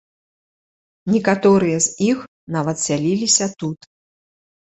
Некаторыя з іх нават сяліліся тут.